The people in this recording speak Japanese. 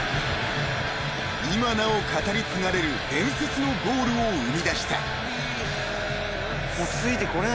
［今なお語り継がれる伝説のゴールを生み出した］